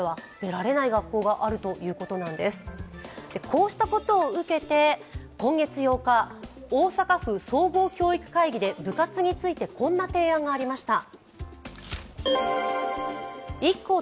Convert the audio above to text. こうしたことを受け、今月８日、大阪府総合教育会議で部活について、こんな提案がありました。